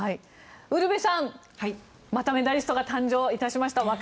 ウルヴェさん、またメダリストが誕生致しました。